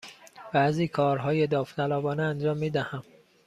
بعضی کارهای داوطلبانه انجام می دهم.